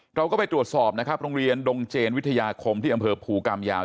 เราก็ไปตรวจสอบนะครับโรงเรียนดงเจนวิทยาคมที่อำเภอภูกรรมยาว